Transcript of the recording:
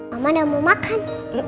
om ada mau makan